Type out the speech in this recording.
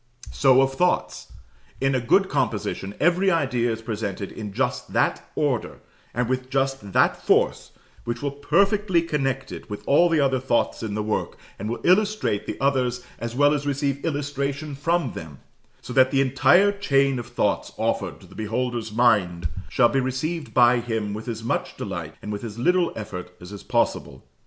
So of thoughts: in a good composition, every idea is presented in just that order, and with just that force, which will perfectly connect it with all the other thoughts in the work, and will illustrate the others as well as receive illustration from them; so that the entire chain of thoughts offered to the beholder's mind shall be received by him with as much delight and with as little effort as is possible.